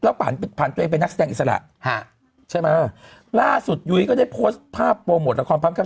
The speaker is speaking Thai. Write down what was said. แล้วผ่านผ่านตัวเองเป็นนักแสดงอิสระใช่ไหมล่าสุดยุ้ยก็ได้โพสต์ภาพโปรโมทละครพร้อมกัน